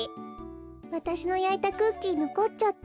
わたしのやいたクッキーのこっちゃった。